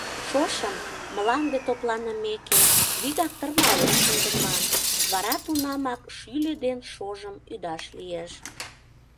Шошым, мланде топланымеке, вигак тырмален шындыман, вара тунамак шӱльӧ ден шожым ӱдаш лиеш.